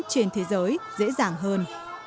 trong thế giới dễ dàng hơn